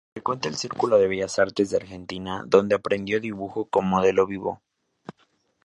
Frecuentó el círculo de Bellas artes de Argentina, donde aprendió dibujo con modelo vivo.